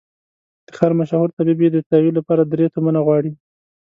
د ښار مشهور طبيب يې د تداوي له پاره درې تومنه غواړي.